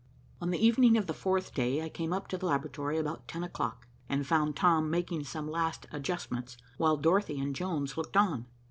On the evening of the fourth day I came up to the laboratory about ten o'clock, and found Tom making some last adjustments, while Dorothy and Jones looked on.